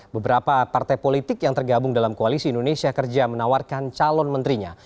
beberapa partai politik yang tergabung dalam koalisi indonesia kerja menawarkan calon menterinya